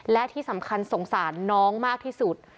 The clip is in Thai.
และที่สำคัญสงสารน้องมากที่สุด